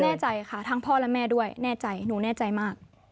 แน่ใจค่ะทั้งพ่อและแม่ด้วยแน่ใจหนูแน่ใจมาก